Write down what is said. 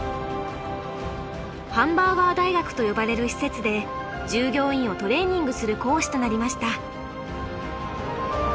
ハンバーガー大学と呼ばれる施設で従業員をトレーニングする講師となりました。